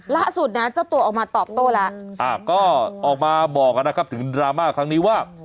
ล่าสุดนะเจ้าตัวออกมาตอบโต้แล้วก็ออกมาบอกนะครับถึงดราม่าครั้งนี้ว่า